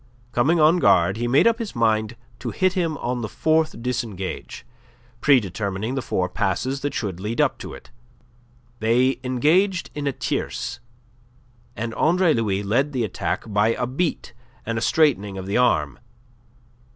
Coming on guard, he made up his mind to hit him on the fourth disengage, predetermining the four passes that should lead up to it. They engaged in tierce, and Andre Louis led the attack by a beat and a straightening of the arm.